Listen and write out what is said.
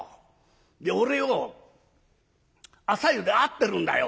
俺よ朝湯で会ってるんだよ。